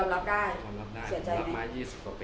ได้ครับ